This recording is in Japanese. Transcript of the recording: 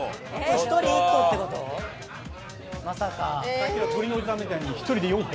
さっきの鶏のおじさんみたいに１人で４杯。